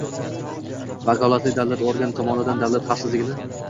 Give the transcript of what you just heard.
vakolatli davlat organi tomonidan davlat xavfsizligini